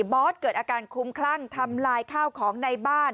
ออสเกิดอาการคุ้มคลั่งทำลายข้าวของในบ้าน